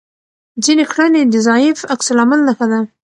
ځینې کړنې د ضعیف عکس العمل نښه ده.